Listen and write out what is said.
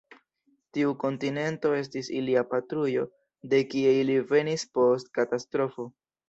Tiu kontinento estis ilia patrujo, de kie ili venis post katastrofo.